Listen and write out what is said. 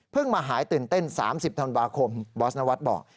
มาหายตื่นเต้น๓๐ธันวาคมบอสนวัฒน์บอก